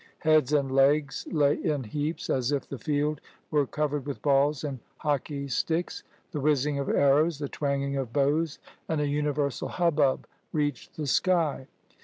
Heads and legs lay in heaps as if the field were covered with balls and hockey sticks. The whizzing of arrows, the twanging of bows, and a universal hubbub reached the sky.